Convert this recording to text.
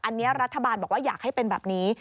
อันนี้รัฐบาลบอกว่าอยากให้เป็นแบบนี้